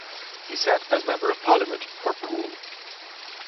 He sat as Member of Parliament for Poole.